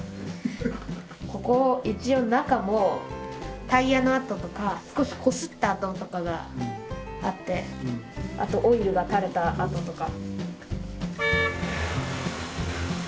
ここ一応中もタイヤの跡とか少しこすった跡とかがあってあとオイルが垂れた跡とか。